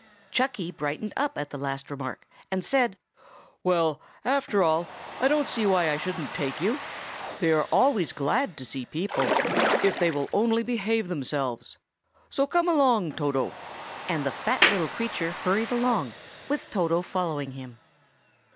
Chucky brightened up at the last remark, and said, "Well, after all, I don't see why I shouldn't take you. They are always glad to see people, if they will only behave themselves. So come along, Toto;" and the fat little creature hurried along, with Toto following him.